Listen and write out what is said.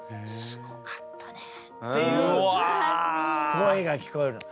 声が聞こえるの。